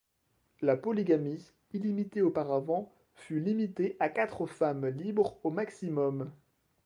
La polygamie, illimitée auparavant, fut limitée à quatre femmes libres au maximum.